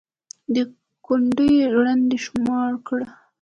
دا كونـډې رنـډې شمار كړئ